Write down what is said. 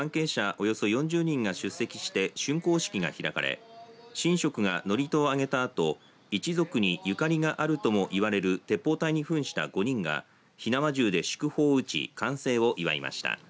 およそ４０人が出席してしゅんこう式が開かれ神職が祝詞をあげたあと一族に縁があるともいわれる鉄砲隊にふんした５人が火縄銃で祝砲を打ち完成を祝いました。